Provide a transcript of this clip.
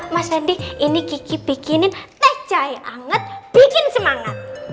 mas reddy ini gigi bikinin teh cahaya hangat bikin semangat